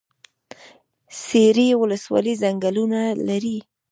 سپیرې ولسوالۍ ځنګلونه لري؟